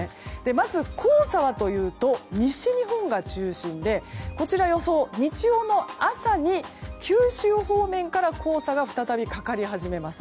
まず、黄砂はというと西日本が中心でこちらの予想は日曜日の朝に九州方面から黄砂が再びかかり始めます。